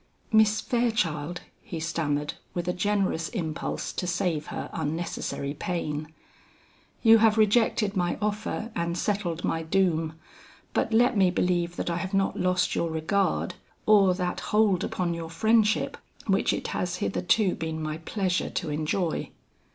"Miss Fairchild," he stammered, with a generous impulse to save her unnecessary pain, "you have rejected my offer and settled my doom; but let me believe that I have not lost your regard, or that hold upon your friendship which it has hitherto been my pleasure to enjoy."